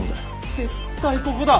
絶対ここだ！